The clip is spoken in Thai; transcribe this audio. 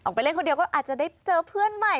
ไปเล่นคนเดียวก็อาจจะได้เจอเพื่อนใหม่